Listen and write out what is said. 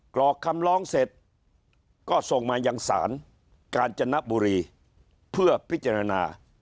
กรอกคำร้องเสร็จก็ส่งมายังศาลกาญจนบุรีเพื่อพิจารณา